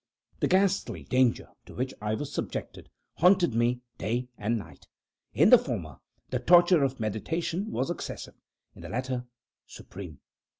The ghastly Danger to which I was subjected haunted me day and night. In the former, the torture of meditation was excessive in the latter, supreme.